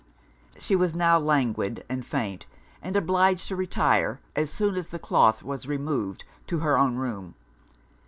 She was now languid and faint, and obliged to retire, as soon as the cloth was removed, to her own room.